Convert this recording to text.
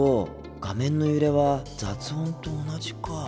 画面の揺れは雑音と同じか。